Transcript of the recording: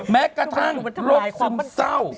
แม้กระทั่งโรคซึมเศร้า